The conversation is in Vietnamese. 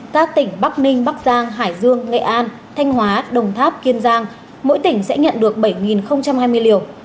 các tỉnh bắc ninh bắc giang hải dương nghệ an thanh hóa đồng tháp kiên giang mỗi tỉnh sẽ nhận được bảy hai mươi liều